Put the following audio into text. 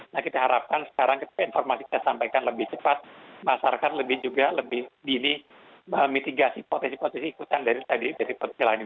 nah kita harapkan sekarang ketika informasi kita sampaikan lebih cepat masyarakat lebih juga lebih dini memitigasi potensi potensi ikutan dari tadi dari perjalanan ini